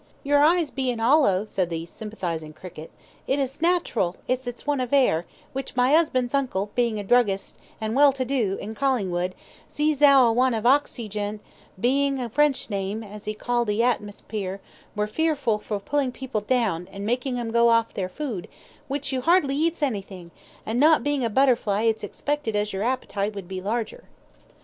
"Your eyes bein' 'ollow," said the sympathising cricket, "it is nat'ral as it's want of air, which my 'usband's uncle, being a druggist, an' well to do, in Collingwood, ses as 'ow a want of ox eye gent, being a French name, as 'e called the atmispeare, were fearful for pullin' people down, an' makin' 'em go off their food, which you hardly eats anythin', an' not bein' a butterfly it's expected as your appetite would be larger."